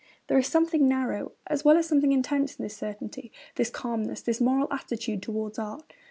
There is something narrow as well as something intense in this certainty, this calmness, this moral attitude towards art.